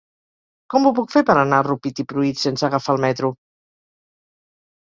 Com ho puc fer per anar a Rupit i Pruit sense agafar el metro?